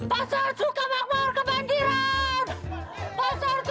pasar suka makmur kebanjiran